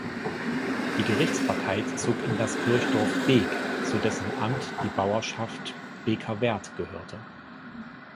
Die Gerichtsbarkeit zog in das Kirchdorf Beeck, zu dessen Amt die Bauerschaft Beeckerwerth gehörte.